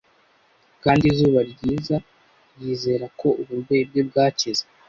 kandi izuba ryiza yizera ko uburwayi bwe bwakize